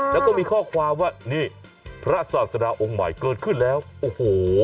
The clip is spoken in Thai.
แล้วก็มีข้อความว่านี่พระศาสดาองค์ใหม่เกิดขึ้นแล้วโอ้โห